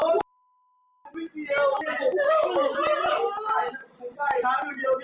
ประตูเปิดแล้วแล้วพากันลงมานี่ครับ